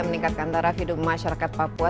meningkatkan taraf hidup masyarakat papua